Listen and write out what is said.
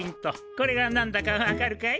これがなんだかわかるかい？